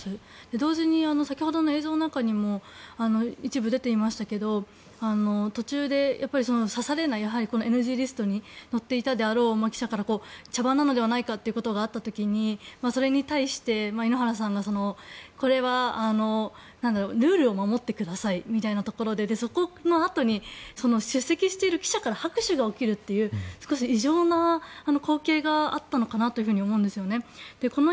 同時に先ほどの映像の中にも一部出ていましたけれど途中で指されないＮＧリストに載っていたであろう記者から茶番なのではないかと言われた時にそれに対して井ノ原さんがこれはルールを守ってくださいみたいなところでそこのあとに出席している記者から拍手が起きるという少し異常な光景があったのかなと思うんですね。